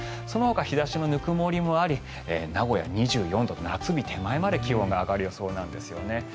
そのほか日差しのぬくもりもあり名古屋は２４度夏日手前まで気温が上がる予想なんですよね。